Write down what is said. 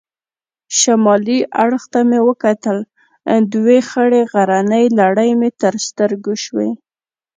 شمالي اړخ ته مې وکتل، دوې خړې غرنۍ لړۍ مې تر سترګو شوې.